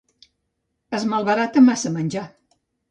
Es malbarata massa menjar.